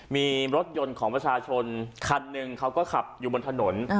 มีรถยนต์ของประชาชนคันหนึ่งเขาก็ขับอยู่บนถนน